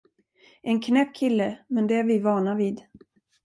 En knäpp kille, men det är vi vana vid.